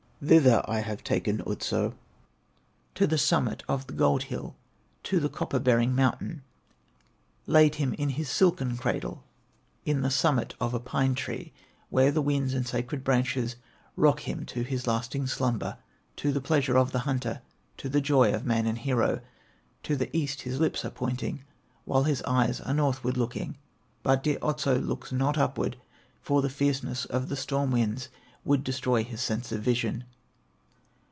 Thither I have taken Otso, To the summit of the Gold hill, To the copper bearing mountain, Laid him in his silken cradle In the summit of a pine tree, Where the winds and sacred branches Rock him to his lasting slumber, To the pleasure of the hunter, To the joy of man and hero. To the east his lips are pointing, While his eyes are northward looking; But dear Otso looks not upward, For the fierceness of the storm winds Would destroy his sense of vision."